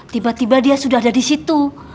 tiba tiba dia sudah ada di situ